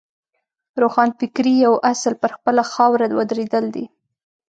روښانفکرۍ یو اصل پر خپله خاوره ودرېدل دي.